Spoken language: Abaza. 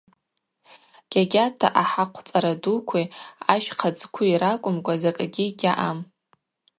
Гьагьата ахӏахъв цӏара дукви ащхъа дзкви ракӏвымкӏва закӏгьи гьаъам.